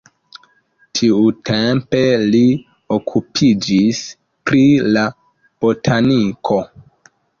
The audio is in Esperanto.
Tiutempe li okupiĝis pri la botaniko.